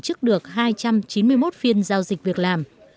và đã tổ chức được hai trăm chín mươi một phiên giao dịch việc làm